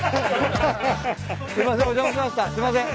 すいません。